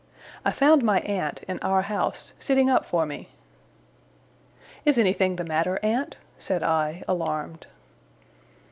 I found my aunt, in our house, sitting up for me. 'Is anything the matter, aunt?' said I, alarmed.